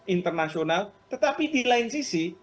internasional tetapi di lain sisi